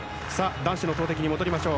男子の投てきに戻りましょう。